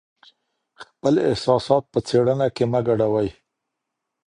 خپل احساسات په څېړنه کي مه ګډوئ.